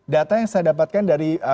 data yang saya dapatkan dari